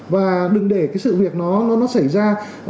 và đừng để cái sự việc nó xảy ra